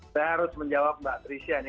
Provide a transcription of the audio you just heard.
saya harus menjawab mbak trisha ini